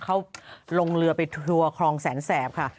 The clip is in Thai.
เขาลงเรือไปทัวร์คลองแสนแสบค่ะ